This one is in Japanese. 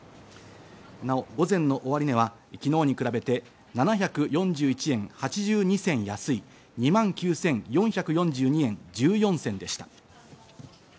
なお、午前の終値は昨日に比べて７４１円８２銭安い２万９４４２円１４銭でした。